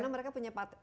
karena mereka punya paten